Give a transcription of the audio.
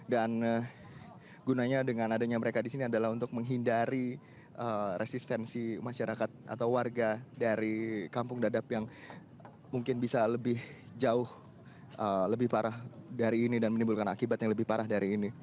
dan gunanya dengan adanya mereka di sini adalah untuk menghindari resistensi masyarakat atau warga dari kampung dadap yang mungkin bisa lebih jauh lebih parah dari ini dan menimbulkan akibat yang lebih parah dari ini